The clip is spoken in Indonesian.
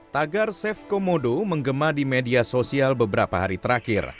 tagar chef komodo menggema di media sosial beberapa hari terakhir